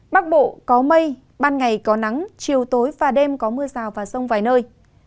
bắc bộ có mây ban ngày có nắng chiều tối và đêm có mưa rào và rông vài nơi